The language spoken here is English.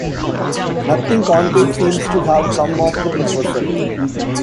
Nothing concrete seems to have come of the proposal.